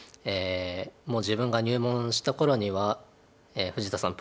もう自分が入門した頃には富士田さん